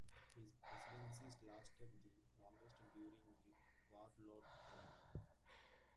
His presidency lasted the longest during the warlord era.